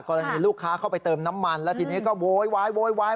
ก็มีลูกค้าเข้าไปเติมน้ำมันแล้วทีนี้ก็โหย